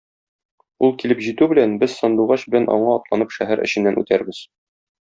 Ул килеп җитү белән, без Сандугач белән аңа атланып шәһәр эченнән үтәрбез.